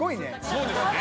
そうですね。